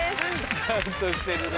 ちゃんとしてるね。